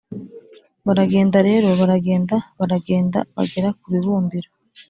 baragenda rero, baragenda, baragenda bagera ku bibumbiro